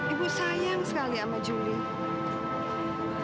ibu sayang sekali sama julie